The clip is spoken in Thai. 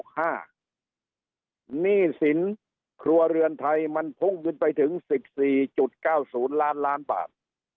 หนี้สินครัวเรือนไทยมันพุ่งขึ้นไปถึง๑๔๙๐ล้านล้านบาท